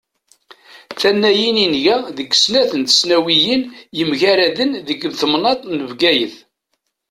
Tannayin i nga deg snat n tesnawiyin yemgaraden deg temnaḍt n Bgayet.